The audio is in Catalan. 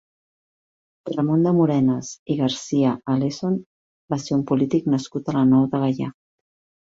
Ramon de Morenes i Garcia Alesson va ser un polític nascut a la Nou de Gaià.